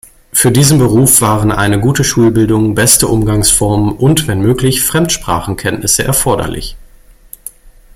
Für diesen Beruf waren eine gute Schulbildung, beste Umgangsformen und, wenn möglich, Fremdsprachenkenntnisse erforderlich.